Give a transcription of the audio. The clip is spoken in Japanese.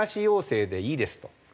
陽性でいいですと。